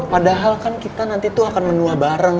padahal kan kita nanti tuh akan menua bareng